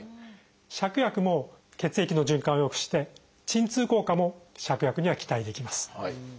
芍薬も血液の循環をよくして鎮痛効果も芍薬には期待できます。